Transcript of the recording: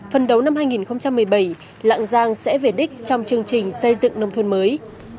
phần đầu năm hai nghìn một mươi bảy lạng giang sẽ về đích trong chương trình xây dựng nông thôn mới